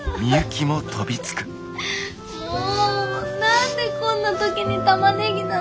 もう何でこんな時にタマネギなの？